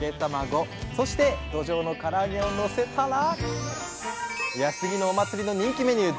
そしてどじょうのから揚げをのせたら安来のお祭りの人気メニュー